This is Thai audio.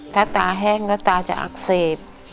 ถ้าตาแห้งแล้วตาจะอักเสบ